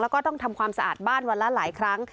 แล้วก็ต้องทำความสะอาดบ้านวันละหลายครั้ง